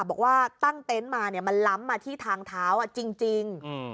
บอกว่าตั้งเต็นต์มามันล้ำมาที่ทางเท้าจริง